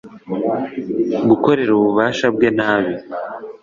gukoresha ububasha bwe nabi